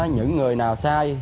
những người nào sai